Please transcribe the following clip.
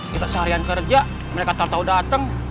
kita seharian kerja mereka tautau dateng